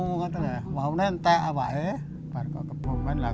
kalau tidak semuanya kebumen lagi